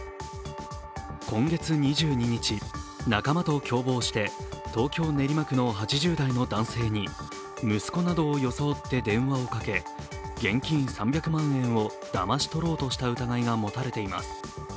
今月２２日、仲間と共謀して東京・練馬区の８０代の男性に息子などを装って電話をかけ現金３００万円をだまし取ろうとした疑いがもたれています。